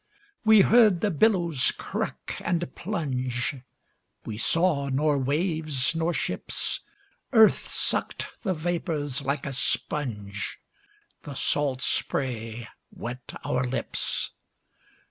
We heard the billows crack and plunge, We saw nor waves nor ships. Earth sucked the vapors like a sponge, The salt spray wet our lips.